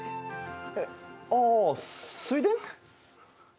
えっ？ああ水田？